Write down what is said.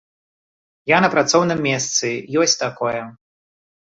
Я на працоўным месцы, ёсць такое.